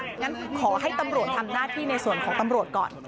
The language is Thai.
งั้นขอให้ตำรวจทำหน้าที่ในส่วนของตำรวจก่อน